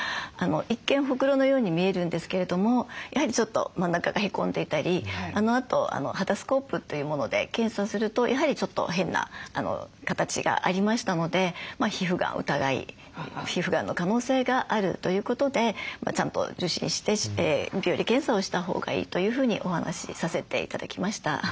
一見ほくろのように見えるんですけれどもやはりちょっと真ん中がへこんでいたりあのあと肌スコープというもので検査するとやはりちょっと変な形がありましたので皮膚がん疑い皮膚がんの可能性があるということでちゃんと受診して病理検査をしたほうがいいというふうにお話しさせて頂きました。